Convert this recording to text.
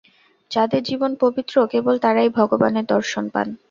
যাঁদের জীবন পবিত্র, কেবল তাঁরাই ভগবানের দর্শন পান।